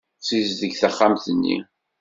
Sizdeg taxxamt-nni.